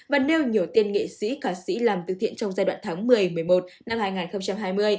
và nêu nhiều tiên nghệ sĩ ca sĩ làm từ thiện trong giai đoạn tháng một mươi một mươi một năm hai nghìn hai mươi